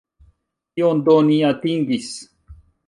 Kion do ni atingis?